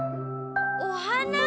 おはな？